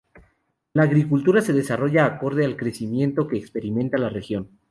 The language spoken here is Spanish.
La agricultura se desarrolla acorde al crecimiento que experimenta la Región.